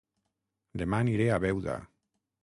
Dema aniré a Beuda